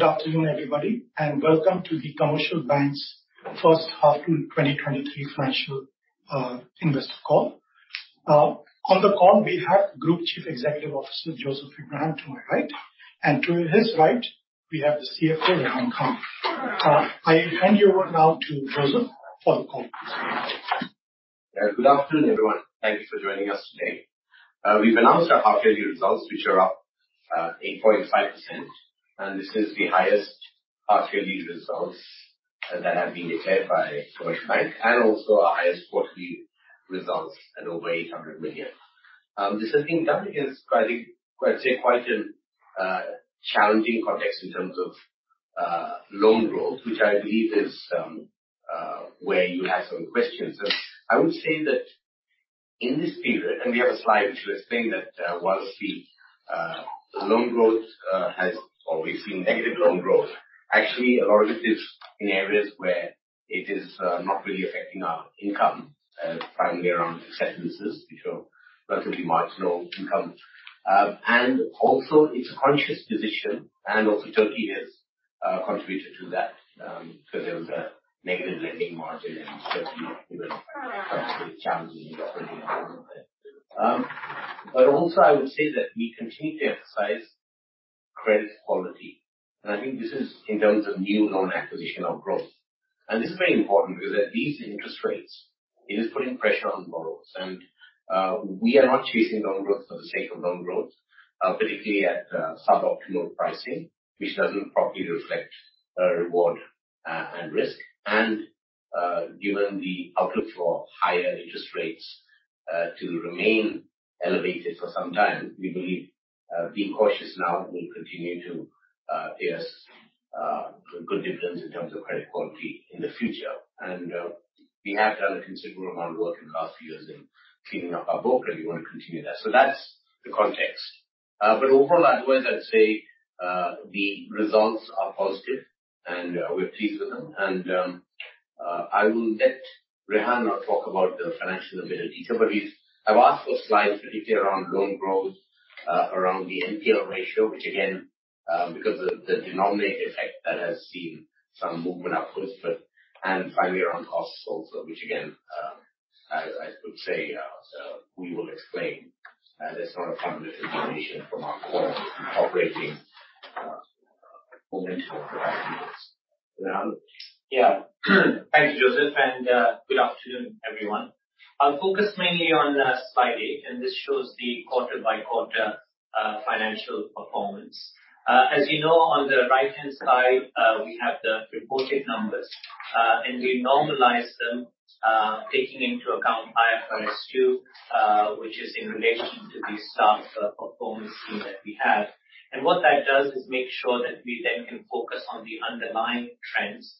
Good afternoon, everybody, and welcome to The Commercial Bank's first half in 2023 financial, investor call. On the call, we have Group Chief Executive Officer Joseph Abraham to my right, and to his right, we have the CFO Rehan Khan. I hand you over now to Joseph for the call. Good afternoon, everyone. Thank you for joining us today. We've announced our half-yearly results, which are up 8.5%, and this is the highest half-yearly results that have been declared by Commercial Bank and also our highest quarterly results at over 800 million. This has been done against, I think, I'd say, quite a challenging context in terms of loan growth, which I believe is where you have some questions. I would say that in this period, and we have a slide, which explains that, while the loan growth has or we've seen negative loan growth, actually, a lot of it is in areas where it is not really affecting our income, primarily around acceptances, which are relatively much low income. Also, it's a conscious decision, also Turkey has contributed to that because there was a negative lending margin in Turkey. It was challenging operating. Also I would say that we continue to emphasize credit quality, and I think this is in terms of new loan acquisition or growth. This is very important because at these interest rates, it is putting pressure on borrowers. We are not chasing loan growth for the sake of loan growth, particularly at suboptimal pricing, which doesn't properly reflect reward and risk. Given the outlook for higher interest rates to remain elevated for some time, we believe being cautious now will continue to pay us good dividends in terms of credit quality in the future. We have done a considerable amount of work in the last few years in cleaning up our book, and we want to continue that. That's the context. But overall, otherwise, I'd say, the results are positive, and we're pleased with them. I will let Rehan now talk about the financial ability. But I've asked for slides, particularly around loan growth, around the NPL ratio, which again, because of the denominator effect that has seen some movement upwards, but. Finally, around costs also, which again, I would say, so we will explain, that's not a fundamental deviation from our core operating movement over the last years. Rehan? Thank you, Joseph, and good afternoon, everyone. I'll focus mainly on slide eight, and this shows the quarter-by-quarter financial performance. As you know, on the right-hand side, we have the reported numbers, and we normalize them, taking into account IFRS 2, which is in relation to the staff performance scheme that we have. What that does is make sure that we then can focus on the underlying trends.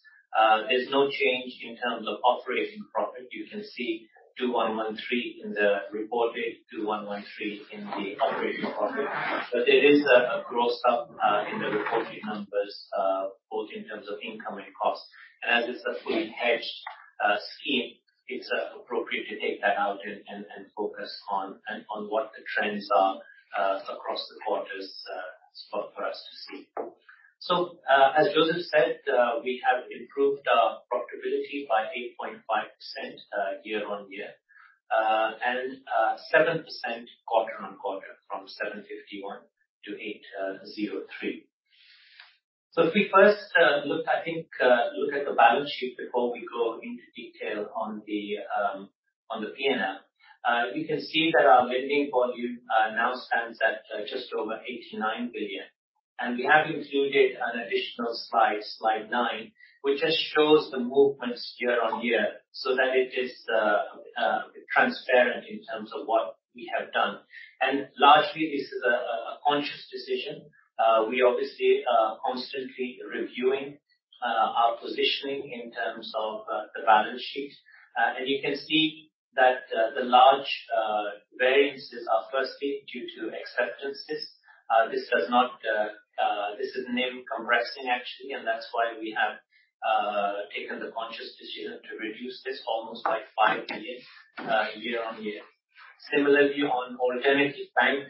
There's no change in terms of operating profit. You can see 2,113 million in the reported, 2,113 million in the operating profit. There is a gross up in the reported numbers, both in terms of income and costs. As it's a fully hedged scheme, it's appropriate to take that out and focus on what the trends are across the quarters for us to see. As Joseph said, we have improved our profitability by 8.5% year-on-year and 7% quarter-on-quarter from 751 million to 803 million. If we first look, I think, look at the balance sheet before we go into detail on the P&L. You can see that our lending volume now stands at just over 89 billion, and we have included an additional slide nine, which just shows the movements year-on-year, so that it is transparent in terms of what we have done. Largely, this is a conscious decision. We obviously are constantly reviewing our positioning in terms of the balance sheet. You can see that the large variance is firstly due to acceptances. This is NIM compressing, actually, and that's why we have taken the conscious decision to reduce this almost by 5 billion year-on-year. Similarly, on Alternatif Bank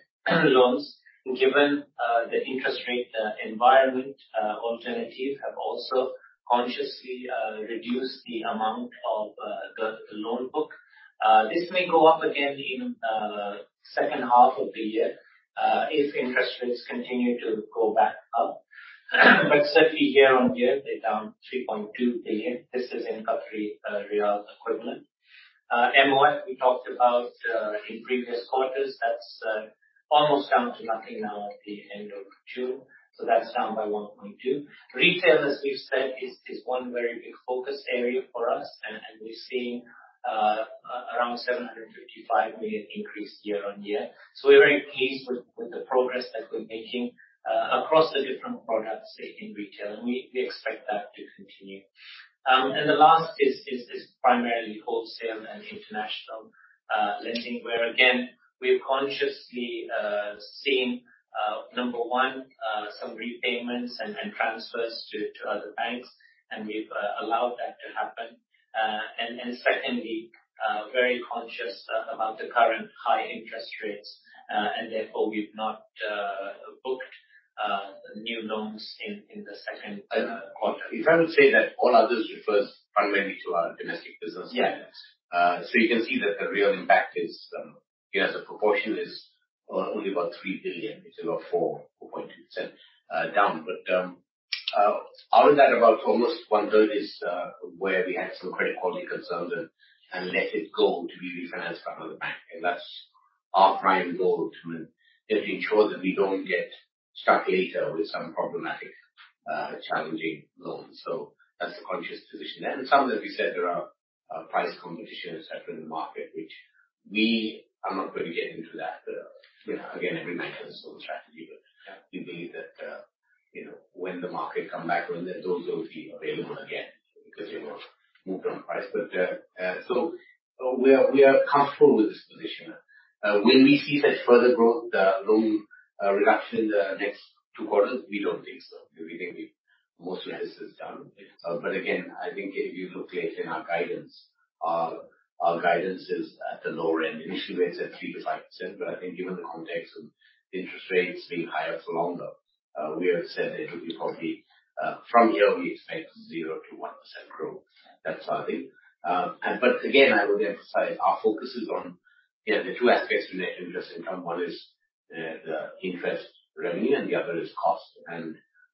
loans, given the interest rate environment, Alternatif have also consciously reduced the amount of the loan book. This may go up again in second half of the year if interest rates continue to go back up. Certainly year-on-year, they're down 3.2 billion. This is in country riyal equivalent. MoF, we talked about in previous quarters, that's almost down to nothing now at the end of June, so that's down by 1.2 billion. Retail, as we've said, is one very big focus area for us, and we've seen around 755 million increase year-over-year. We're very pleased with the progress that we're making across the different products in retail, and we expect that to continue. The last is primarily wholesale and international lending, where again, we've consciously seen number one, some repayments and transfers to other banks, and we've allowed that to happen. Secondly, very conscious about the current high interest rates, and therefore we've not booked new loans in the second quarter. If I would say that all others refers primarily to our domestic business? Yeah. You can see that the real impact is, you know, as a proportion is only about 3 billion. It's about 4.2% down. Out of that, about almost one-third is where we had some credit quality concerns and let it go to be refinanced by another bank. That's our prime goal, to ensure that we don't get stuck later with some problematic, challenging loans. That's the conscious position. Some, as we said, there are price competition et cetera, in the market. I'm not going to get into that, but, you know, again, every bank has its own strategy. We believe that, you know, when the market come back, when those loans be available again, because you will move on price. We are comfortable with this position. Will we see such further growth, loan reduction in the next two quarters? We don't think so. We believe most of this is done. Again, I think if you look later in our guidance, our guidance is at the lower end. Initially, we said 3%-5%, I think given the context of interest rates being higher for longer, we have said it will be from here, we expect 0%-1% growth. That's our thing. Again, I would emphasize, our focus is on, you know, the two aspects related to interest income. One is the interest revenue, the other is cost.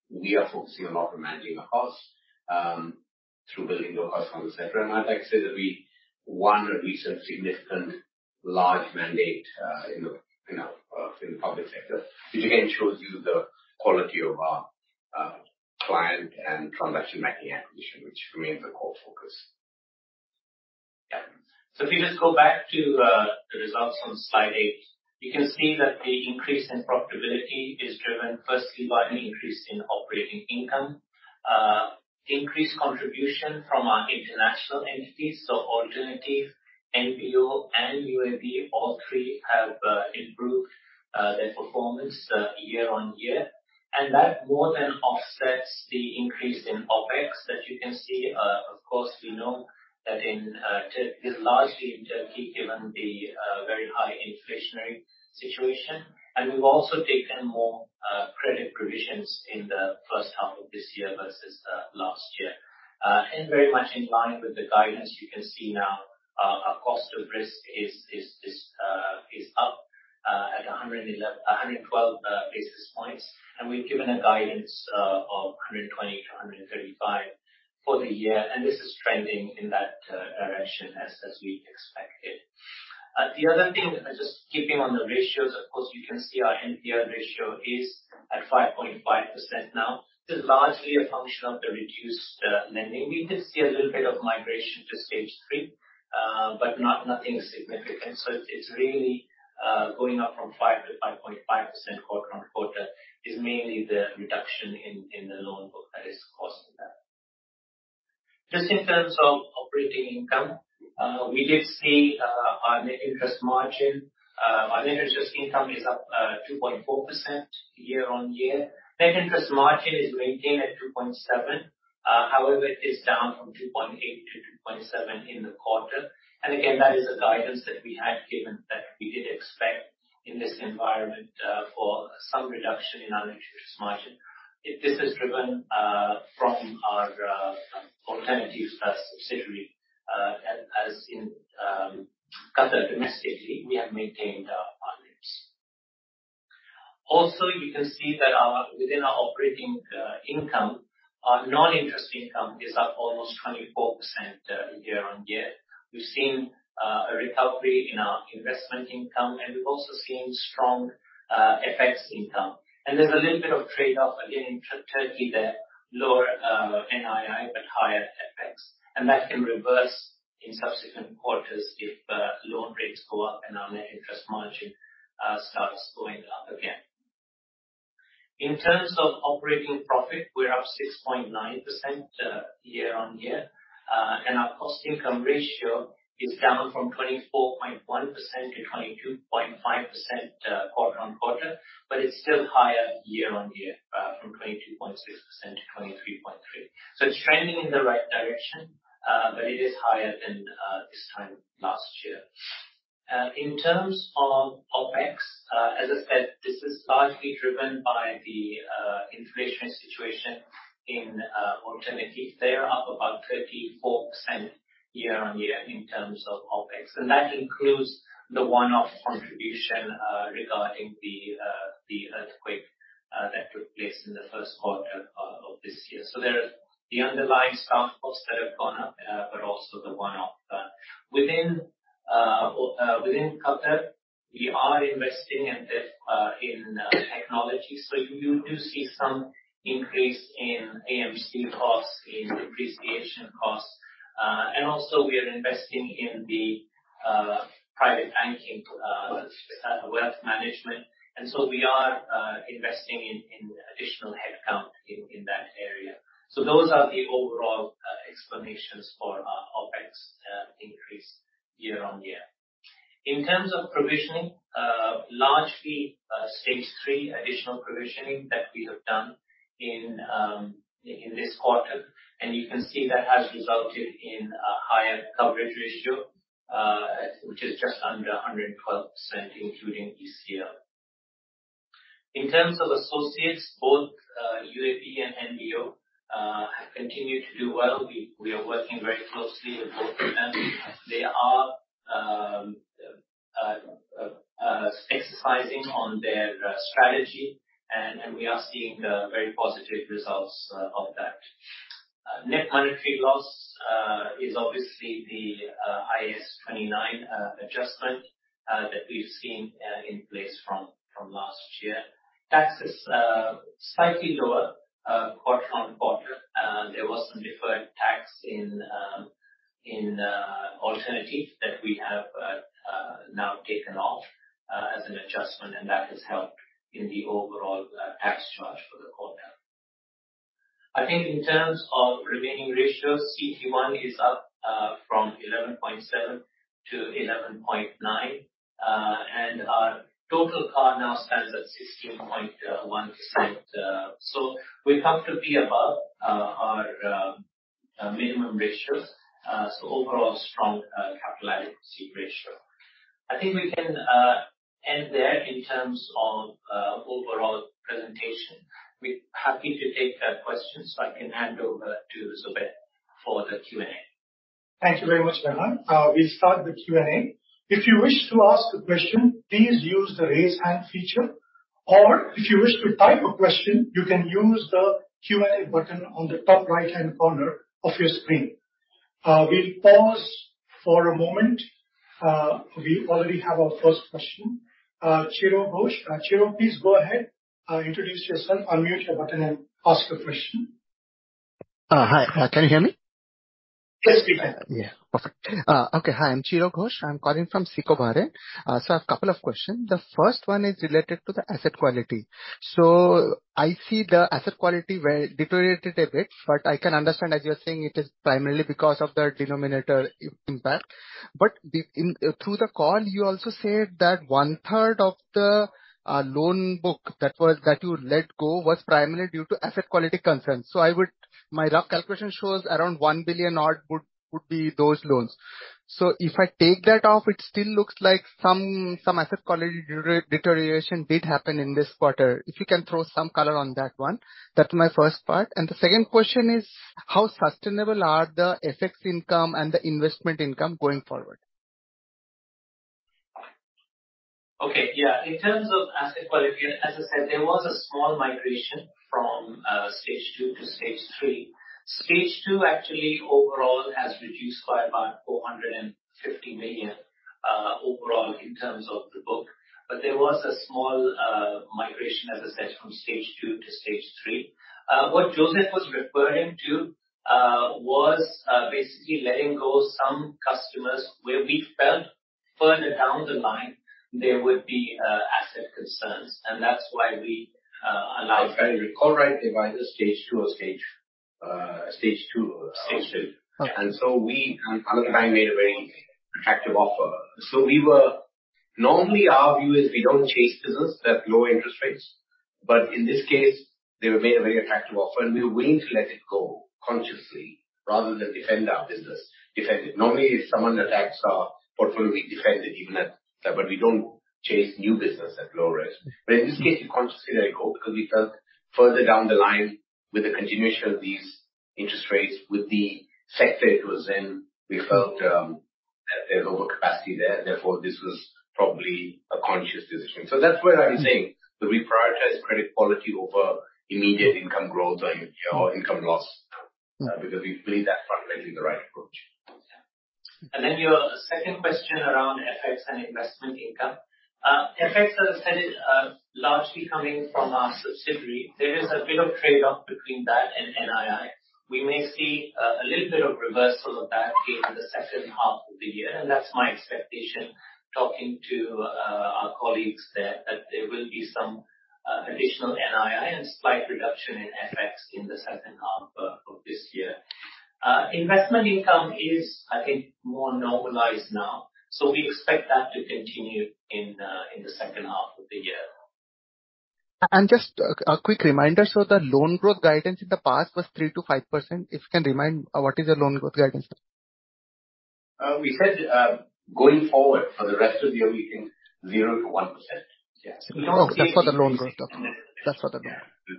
We are focusing a lot on managing the cost through building the cost on et cetera. I'd like to say that we won a recent significant large mandate in the, you know, in the public sector, which again shows you the quality of our client and transaction making acquisition, which remains a core focus. Yeah. If you just go back to the results on slide eight, you can see that the increase in profitability is driven firstly by an increase in operating income. Increased contribution from our international entities, so Alternatif, NBO, and UAB, all three have improved their performance year-on-year. That more than offsets the increase in OpEx that you can see. Of course, we know that This is largely in Turkey, given the very high inflationary situation. We've also taken more credit provisions in the first half of this year versus last year. Very much in line with the guidance, you can see now, our cost of risk is up, at 111 basis points, 112 basis points, and we've given a guidance of 120 basis points -135 basis points for the year, and this is trending in that direction as we expected. The other thing, just keeping on the ratios, of course, you can see our NPL ratio is at 5.5% now. This is largely a function of the reduced lending. We did see a little bit of migration to Stage 3, but nothing significant. It's really going up from 5% to 5.5% quarter-on-quarter, is mainly the reduction in the loan book that is causing that. Just in terms of operating income, we did see our net interest margin. Our net interest income is up 2.4% year-on-year. Net interest margin is maintained at 2.7%. However, it is down from 2.8% to 2.7% in the quarter. Again, that is a guidance that we had given, that we did expect in this environment for some reduction in our net interest margin. This is driven from our Alternatif subsidiary. As in Qatar domestically, we have maintained our margins. Also, you can see that our, within our operating income, our non-interest income is up almost 24% year-on-year. We've seen a recovery in our investment income, and we've also seen strong FX income. There's a little bit of trade-off again in Turkey, there, lower NII, but higher FX. That can reverse in subsequent quarters if loan rates go up and our net interest margin starts going up again. In terms of operating profit, we're up 6.9% year-on-year. Our cost income ratio is down from 24.1% to 22.5% quarter-on-quarter, but it's still higher year-on-year, from 22.6% to 23.3%. It's trending in the right direction, but it is higher than this time last year. In terms of OpEx, as I said, this is largely driven by the inflationary situation in Alternatif. They are up about 34% year-on-year in terms of OpEx. That includes the one-off contribution regarding the earthquake that took place in the first quarter of this year. There is the underlying staff costs that have gone up, but also the one-off. Within Qatar, we are investing in this in technology. You do see some increase in AMC costs, in depreciation costs. Also, we are investing in the private banking wealth management. We are investing in additional headcount in that area. Those are the overall explanations for our OpEx increase year-on-year. In terms of provisioning, largely, stage 3 additional provisioning that we have done in this quarter. You can see that has resulted in a higher coverage ratio, which is just under 112%, including ECL. In terms of associates, both UAB and NBO have continued to do well. We are working very closely with both of them. They are exercising on their strategy, and we are seeing very positive results of that. Net monetary loss is obviously the IAS 29 adjustment that we've seen in place from last year. Taxes slightly lower quarter-on-quarter. There was some deferred tax in Alternatif Bank that we have now taken off as an adjustment, and that has helped in the overall tax charge for the quarter. I think in terms of remaining ratios, CET1 is up from 11.7% to 11.9%, and our total CAR now stands at 16.1%. So we're happy to be above our minimum ratios. So overall strong capital adequacy ratio. I think we can end there in terms of overall presentation. We're happy to take the questions, so I can hand over to Zubair for the Q&A. Thank you very much, Rehan. We'll start the Q&A. If you wish to ask a question, please use the raise hand feature, or if you wish to type a question, you can use the Q&A button on the top right-hand corner of your screen. We'll pause for a moment. We already have our first question. Chiro Ghosh. Chiro, please go ahead. Introduce yourself, unmute your button, and ask your question. Hi. Can you hear me? Yes, we can. Yeah. Perfect. Okay, hi, I'm Chiro Ghosh. I'm calling from SICO Bahrain. A couple of questions. The first one is related to the asset quality. I see the asset quality very deteriorated a bit, but I can understand, as you're saying, it is primarily because of the denominator impact. But the through the call, you also said that one-third of the loan book, that was, that you let go was primarily due to asset quality concerns. My rough calculation shows around 1 billion odd would be those loans. If I take that off, it still looks like some asset quality deterioration did happen in this quarter. If you can throw some color on that one. That's my first part. The second question is: How sustainable are the FX income and the investment income going forward? Okay, yeah. In terms of asset quality, as I said, there was a small migration from Stage 2 to Stage 3. Stage 2, actually, overall, has reduced by about 450 million, overall, in terms of the book. There was a small migration, as I said, from Stage 2 to Stage 3. What Joseph was referring to, was basically letting go some customers where we felt further down the line, there would be asset concerns, and that's why we allowed. If I recall right, they were either Stage 2. Stage 2. Okay. We, at the time, made a very attractive offer. We were... Normally, our view is we don't chase business at low interest rates, but in this case, they were made a very attractive offer, and we were willing to let it go consciously rather than defend our business, defend it. Normally, if someone attacks our portfolio, we defend it even at, but we don't chase new business at low risk. In this case, we consciously let it go because we felt further down the line with the continuation of these interest rates, with the sector it was in, we felt that there's overcapacity there, and therefore, this was probably a conscious decision. That's where I'm saying that we prioritize credit quality over immediate income growth or income loss, because we believe that fundamentally the right approach. Your second question around FX and investment income. FX, as I said, is largely coming from our subsidiary. There is a bit of trade-off between that and NII. We may see a little bit of reversal of that in the second half of the year, and that's my expectation, talking to our colleagues there, that there will be some additional NII and slight reduction in FX in the second half of this year. Investment income is, I think, more normalized now, so we expect that to continue in the second half of the year. Just a quick reminder, the loan growth guidance in the past was 3%-5%. If you can remind, what is your loan growth guidance now? We said, going forward for the rest of the year, we think 0%-1%. Yes. Oh, just for the loan growth. That's for the loan. Yeah.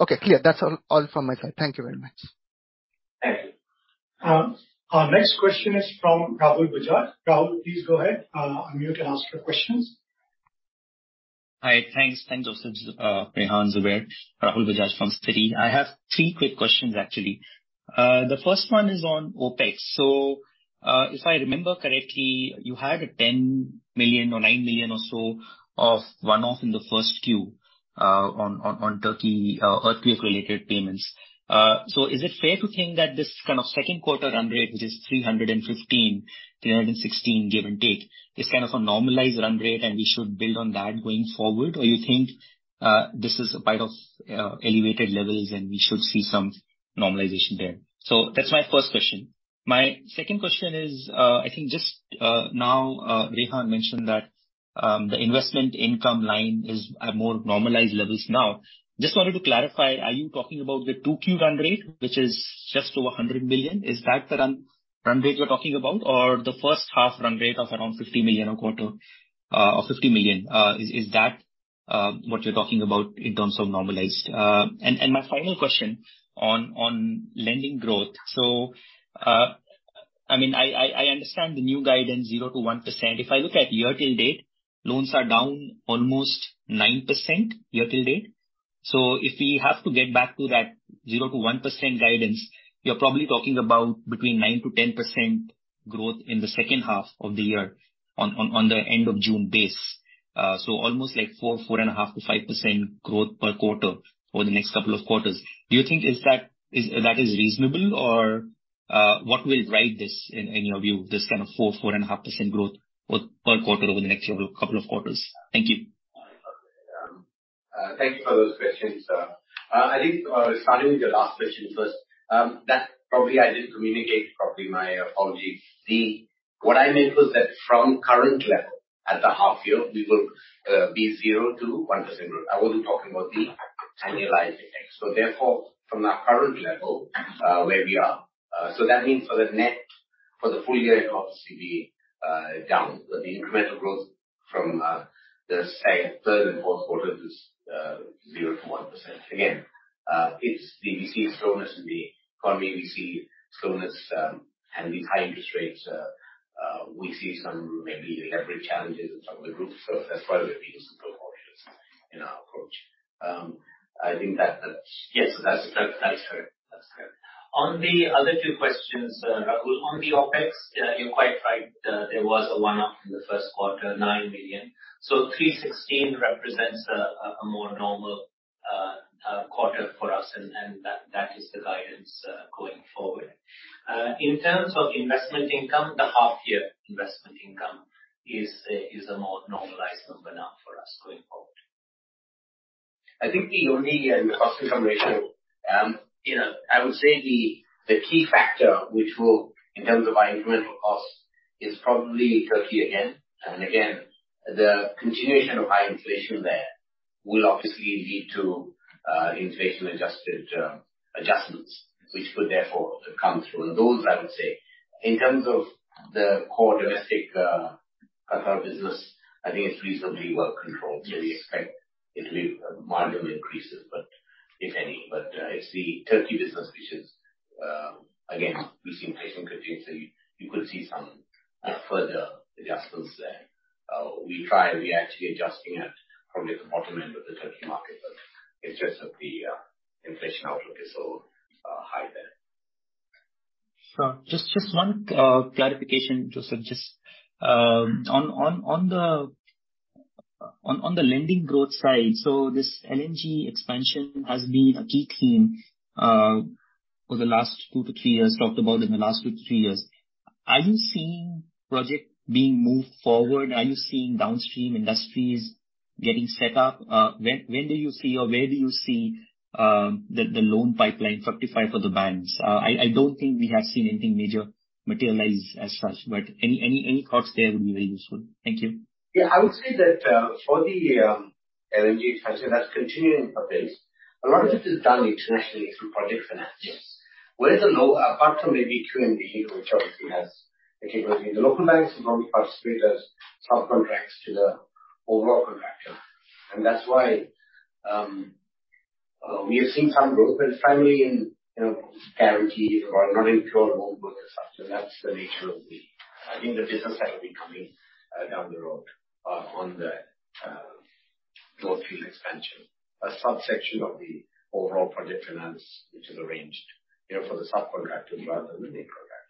Okay, clear. That's all from my side. Thank you very much. Thank you. Our next question is from Rahul Bajaj. Rahul, please go ahead, unmute and ask your questions. Hi, thanks. Thanks, Joseph, Rehan, Zubair. Rahul Bajaj from Citi. I have three quick questions, actually. The first one is on OpEx. If I remember correctly, you had a 10 million or 9 million or so of one-off in the first Q on Turkey earthquake-related payments. Is it fair to think that this kind of second quarter run rate, which is 315 million, 316 million, give and take, is kind of a normalized run rate, and we should build on that going forward? Or you think this is a part of elevated levels, and we should see some normalization there? That's my first question. My second question is, I think just now Rehan mentioned that the investment income line is at more normalized levels now. Just wanted to clarify, are you talking about the 2Q run rate, which is just over 100 million? Is that the run rate you're talking about, or the first half run rate of around 50 million a quarter, or 50 million? Is that what you're talking about in terms of normalized? My final question on lending growth. I mean, I understand the new guidance, 0%-1%. If I look at year-till-date, loans are down almost 9%, year-till-date. If we have to get back to that 0%-1% guidance, you're probably talking about between 9%-10% growth in the second half of the year on the end of June base. Almost like 4%, 4.5% - 5% growth per quarter over the next couple of quarters. Do you think that is reasonable? Or what will ride this, in your view, this kind of 4.5% growth per quarter over the next couple of quarters? Thank you. Thank you for those questions, sir. I think starting with your last question first, that probably I didn't communicate properly, my apologies. What I meant was that from current level, at the half year, we will be 0%-1% growth. I wasn't talking about the annualized effect. Therefore, from the current level, where we are. That means for the net, for the full year, it obviously be down. The incremental growth from the, say, third and fourth quarter is 0%-1%. Again, we see slowness in the economy, we see slowness, and these high interest rates, we see some maybe leverage challenges in some of the groups. That's why we're being so cautious in our approach. I think that's correct. That's correct. On the other two questions, Rahul, on the OpEx, you're quite right. There was a one-off in the 1st quarter, 9 million. 316 million represents a more normal quarter for us, and that is the guidance going forward. In terms of investment income, the half-year investment income is a more normalized number now for us going forward. I think the only cost income ratio, you know, I would say the key factor which will, in terms of our incremental cost, is probably Turkey again. Again, the continuation of high inflation there will obviously lead to inflation-adjusted adjustments, which could therefore come through. Those, I would say, in terms of the core domestic, Qatar business, I think it's reasonably well controlled. Yes. We expect it to be minimal increases, but if any. It's the Turkey business which is, again, we've seen pricing contain, so you could see some further adjustments there. We are actually adjusting it from the bottom end of the Turkey market, but it's just that the inflation outlook is so high there. Sure. Just one clarification, Joseph. On the lending growth side, this LNG expansion has been a key theme for the last two to three years, talked about in the last two to three years. Are you seeing project being moved forward? Are you seeing downstream industries getting set up? When do you see, or where do you see, the loan pipeline fortify for the banks? I don't think we have seen anything major materialize as such. Any thoughts there would be very useful. Thank you. I would say that for the LNG expansion, that's continuing apace. A lot of it is done internationally through project finance. Where apart from maybe QNB, which obviously has the capability, the local banks normally participate as sub-contracts to the overall contractor. That's why we have seen some growth, but finally in, you know, guarantees or non-recourse work and such. That's the nature of the. I think the business has been coming down the road on the North Field expansion, a subsection of the overall project finance, which is arranged, you know, for the subcontractor rather than the main contractor.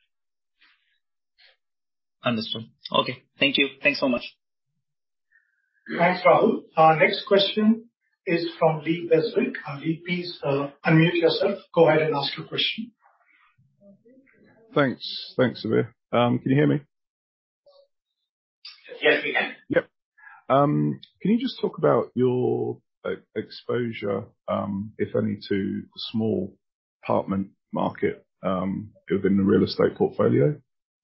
Understood. Okay. Thank you. Thanks so much. Thanks, Rahul. Our next question is from Lee Beswick. Lee, please unmute yourself, go ahead and ask your question. Thanks, Zubair. Can you hear me? Yes, we can. Yep. Can you just talk about your e-exposure, if any, to the small apartment market, within the real estate portfolio?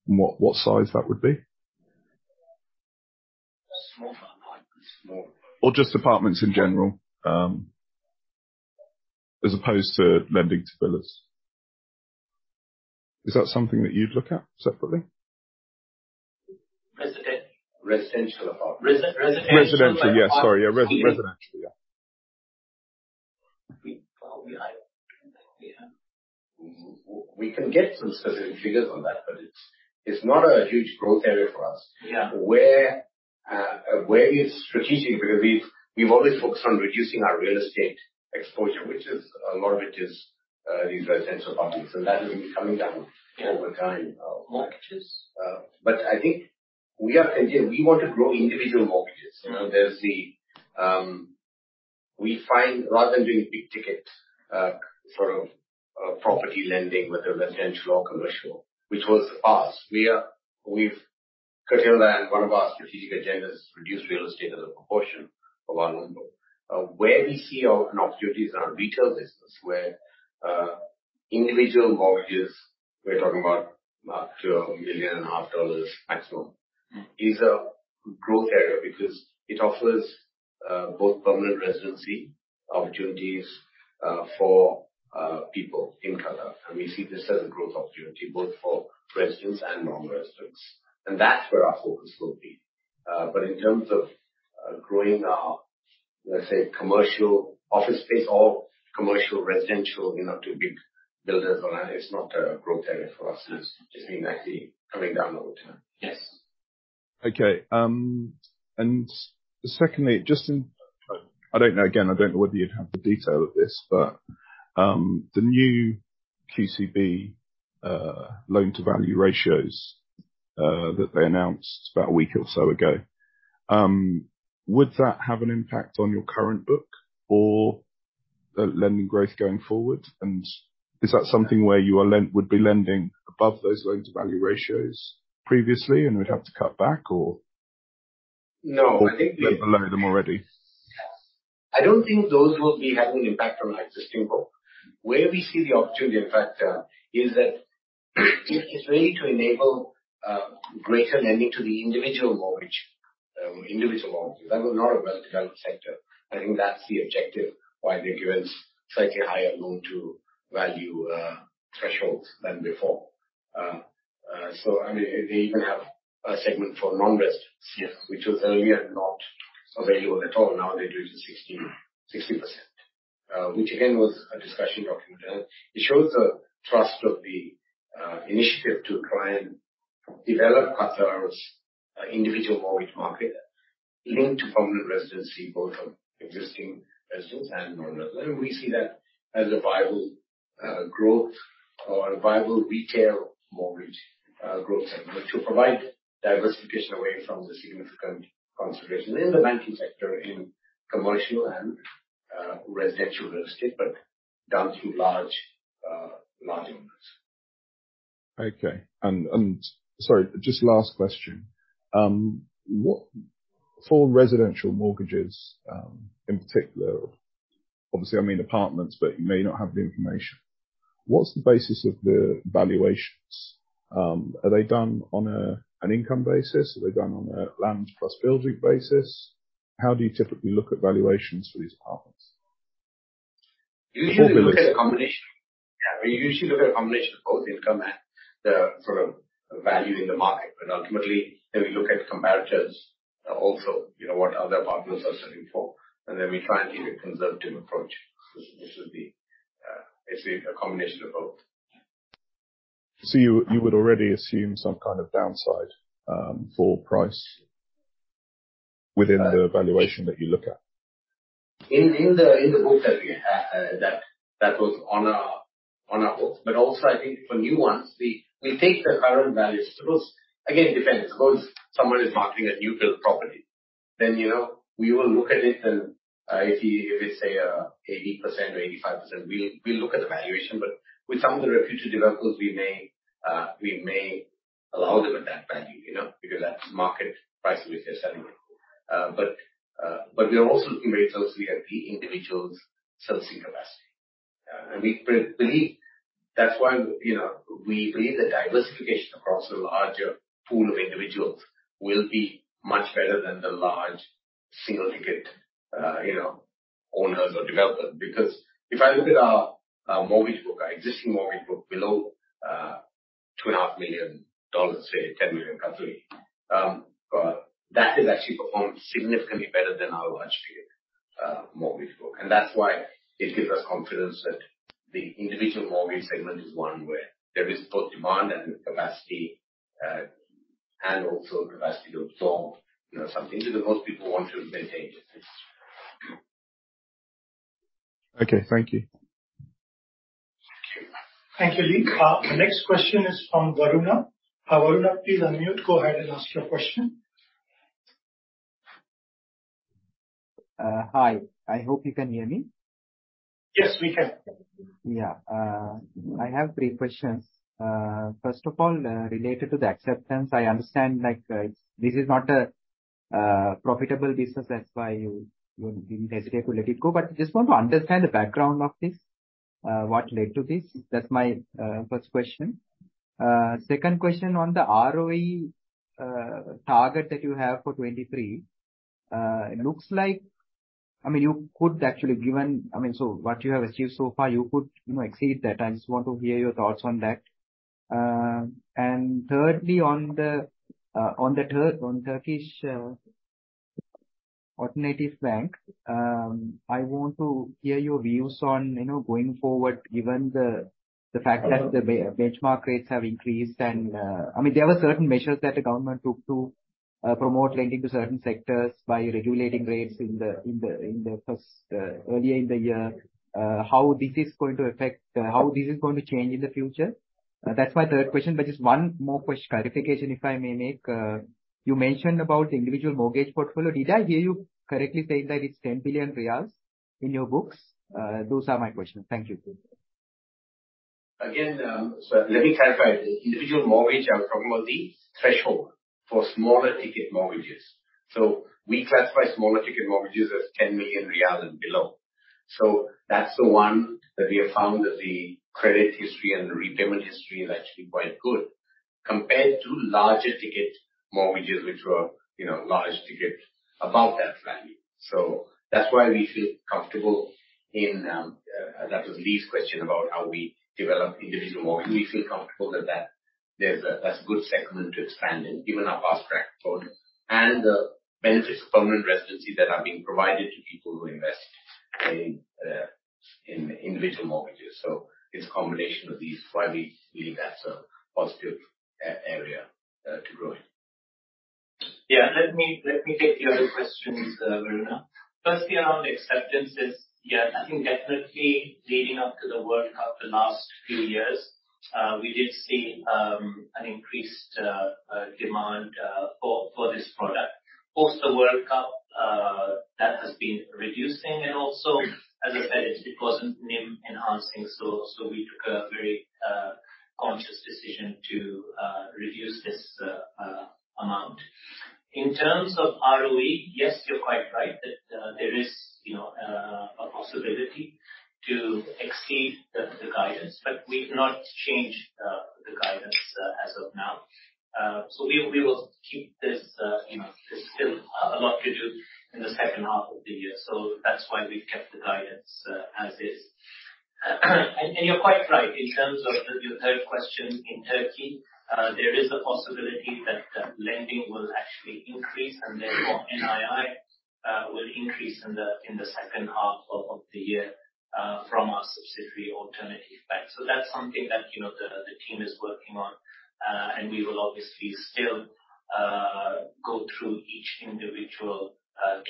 What size that would be? Small apartment. Just apartments in general, as opposed to lending to builders. Is that something that you'd look at separately? residential apartments. Resi-residential- Residential, yes. Sorry, yeah, residential, yeah. We can get some specific figures on that, but it's not a huge growth area for us. Yeah. Where, where it's strategic, because we've always focused on reducing our real estate exposure, which is, a lot of it is, these residential apartments. That has been coming down over time. Mortgages? I think we have idea, we want to grow individual mortgages. Mm-hmm. You know, there's the, we find rather than doing big ticket, sort of, property lending, whether residential or commercial, which was us. We've curtailed that. One of our strategic agendas is reduce real estate as a proportion of our loan book. Where we see an opportunities in our retail business, where individual mortgages, we're talking about $1.5 million maximum, is a growth area because it offers both permanent residency opportunities for people in Qatar. We see this as a growth opportunity, both for residents and non-residents, and that's where our focus will be. In terms of growing our, let's say, commercial office space or commercial residential, you know, to big builders or that, it's not a growth area for us. It's mainly actually coming down over time. Yes. Okay. Secondly, I don't know, again, I don't know whether you'd have the detail of this, but, the new QCB, loan-to-value ratios, that they announced about a week or so ago, would that have an impact on your current book or the lending growth going forward? Is that something where you would be lending above those loan-to-value ratios previously and would have to cut back or? No. Below them already? I don't think those will be having an impact on our existing book. Where we see the opportunity, in fact, is that it's really to enable greater lending to the individual mortgage, individual mortgages. That was not a well-developed sector. I think that's the objective why they're given slightly higher loan-to-value thresholds than before. I mean, they even have a segment for non-residents- Yes. Which was earlier not available at all. Now, they do it to 16%, 60%, which again was a discussion document. It shows the trust of the initiative to try and develop Qatar's individual mortgage market linked to permanent residency, both of existing residents and non-residents. We see that as a viable growth or a viable retail mortgage growth segment to provide diversification away from the significant concentration in the banking sector, in commercial and residential real estate, but down to large units. Okay. And sorry, just last question. What for residential mortgages, in particular, obviously, I mean, apartments, but you may not have the information. What's the basis of the valuations? Are they done on an income basis? Are they done on a land plus building basis? How do you typically look at valuations for these apartments? Usually, we look at a combination. Yeah, we usually look at a combination of both income and the, sort of, value in the market. Ultimately, then we look at comparators, also, you know, what other partners are selling for, and then we try and take a conservative approach. This would be, it's a combination of both. You would already assume some kind of downside for price, within the valuation that you look at? In the book that we have, that was on our books, but also I think for new ones, we take the current values. Suppose, again, it depends. Suppose someone is marketing a new build property, then, you know, we will look at it and, if they say, 80% or 85%, we look at the valuation. With some of the reputed developers, we may allow them at that value, you know, because that's market price, which they're selling it. We are also looking very closely at the individual's servicing capacity. We believe that's why, you know, we believe the diversification across a larger pool of individuals will be much better than the large single-ticket, you know, owners or developers. If I look at our mortgage book, our existing mortgage book below, $2.5 million dollars, say 10 million country, that has actually performed significantly better than our large ticket, mortgage book. That's why it gives us confidence that the individual mortgage segment is one where there is both demand and capacity, and also capacity to absorb, you know, something. Most people want to maintain their business. Okay, thank you. Thank you, Lee. The next question is from Varuna. Varuna, please unmute. Go ahead and ask your question. Hi. I hope you can hear me. Yes, we can. Yeah. I have three questions. First of all, related to the acceptance. I understand, like, this is not a profitable business, that's why you didn't hesitate to let it go. I just want to understand the background of this. What led to this? That's my first question. Second question on the ROE target that you have for 2023. It looks like... I mean, you could actually, given, I mean, so what you have achieved so far, you could, you know, exceed that. I just want to hear your thoughts on that. Thirdly, on Turkish Alternatif Bank, I want to hear your views on, you know, going forward, given the fact that the benchmark rates have increased and, I mean, there were certain measures that the government took to promote lending to certain sectors by regulating rates in the first earlier in the year. How this is going to affect, how this is going to change in the future? That's my third question. Just one more clarification, if I may make. You mentioned about individual mortgage portfolio. Did I hear you correctly saying that it's 10 billion riyals in your books? Those are my questions. Thank you. Let me clarify. The individual mortgage, I was talking about the threshold for smaller ticket mortgages. We classify smaller ticket mortgages as QAR 10 million and below. That's the one that we have found that the credit history and the repayment history is actually quite good compared to larger ticket mortgages, which were, you know, large ticket above that value. That's why we feel comfortable in, that was Lee's question about how we develop individual mortgages. We feel comfortable that that's a good segment to expand in, given our past track record and the benefits of permanent residency that are being provided to people who invest in individual mortgages. It's a combination of these, why we believe that's a positive area to grow in. Let me take the other questions, Varuna. Firstly, on the acceptances, I think definitely leading up to the World Cup, the last few years, we did see an increased demand for this product. Post the World Cup, that has been reducing. As I said, it wasn't NIM enhancing. We took a very conscious decision to reduce this amount. In terms of ROE, yes, you're quite right, that there is, you know, a possibility to exceed the guidance. We've not changed the guidance as of now. We will keep this, you know. There's still a lot to do in the second half of the year, that's why we've kept the guidance as is. You're quite right, in terms of your third question in Turkey, there is a possibility that lending will actually increase, and therefore, NII will increase in the second half of the year from our subsidiary Alternatif Bank. That's something that, you know, the team is working on. We will obviously still go through each individual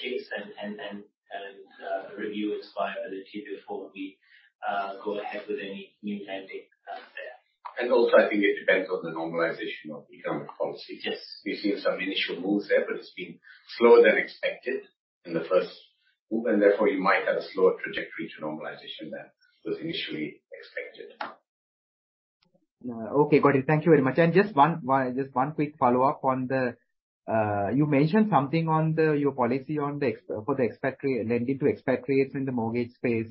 case and then and review its viability before we go ahead with any new lending there. Also, I think it depends on the normalization of economic policy. Yes. We've seen some initial moves there, but it's been slower than expected in the first move, and therefore, you might have a slower trajectory to normalization than was initially expected. Okay, got it. Thank you very much. Just one quick follow-up on the, you mentioned something on the, your policy on the expatriate, lending to expatriates in the mortgage space.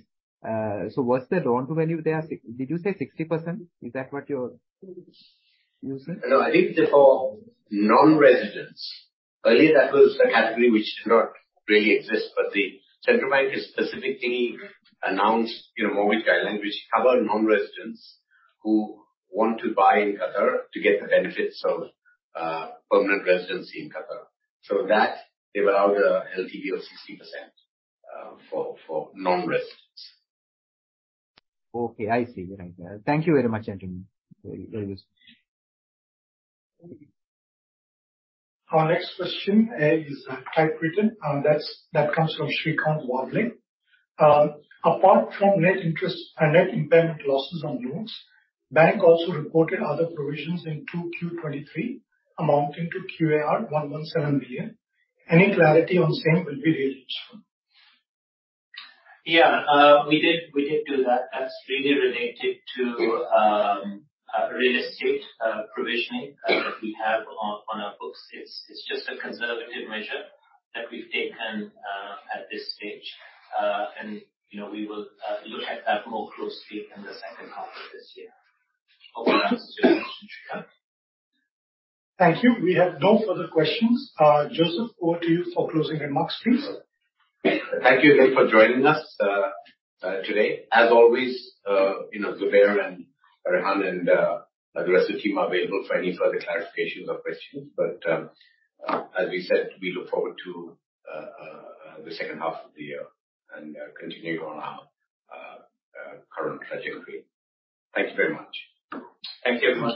What's the loan-to-value there? Did you say 60%? Is that what you're using? No, I think for non-residents. Earlier, that was a category which did not really exist, but the Central Bank has specifically announced, you know, mortgage guidelines which cover non-residents who want to buy in Qatar to get the benefits of permanent residency in Qatar. They were allowed a LTV of 60%, for non-residents. Okay, I see. Right. Thank you very much, gentlemen. Very, very useful. Our next question is typewritten, and that comes from Shrikant Wadling. Apart from net interest and net impairment losses on loans, bank also reported other provisions in 2Q 2023, amounting to QAR 117 million. Any clarity on the same will be really useful. Yeah, we did do that. That's really related to real estate provisioning that we have on our books. It's just a conservative measure that we've taken at this stage. You know, we will look at that more closely in the second half of this year. Hope that answers your question, Shrikant. Thank you. We have no further questions. Joseph, over to you for closing remarks, please. Thank you again for joining us today. As always, you know, Zubair and Rehan, and the rest of the team are available for any further clarifications or questions. As we said, we look forward to the second half of the year and continuing on our current trajectory. Thank you very much. Thank you, everyone.